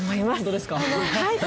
はい。